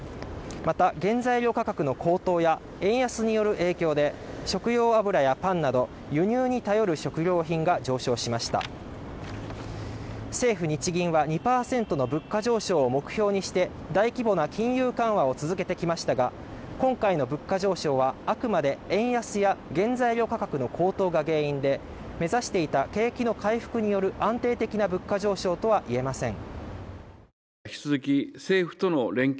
また原材料価格の高騰や円安による影響で食用油やパンなど輸入に頼る食料品が上昇しました政府日銀は２％の物価上昇を目標にして大規模な金融緩和を続けてきましたが今回の物価上昇はあくまで円安や原材料価格の高騰が原因で目指していた景気の回復による安定的な物価上昇とは言えません